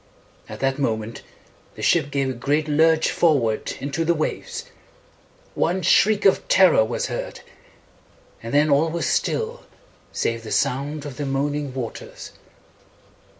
At that moment the ship gave a great lurch forward into the waves. One shriek of terror was heard, and then all was still save the sound of the moaning waters.